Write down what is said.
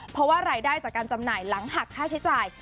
เพราะว่ารายได้จากการจำหน่ายหลังหักค่าใช้จ่าย